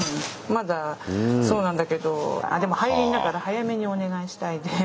まだそうなんだけどでも排臨だから早めにお願いしたいです。